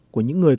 của những người